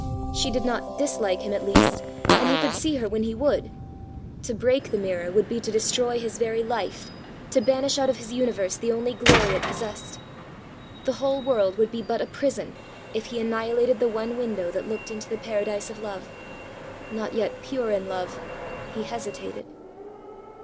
She did not dislike him at least; and he could see her when he would. To break the mirror would be to destroy his very life, to banish out of his universe the only glory it possessed. The whole world would be but a prison, if he annihilated the one window that looked into the paradise of love. Not yet pure in love, he hesitated.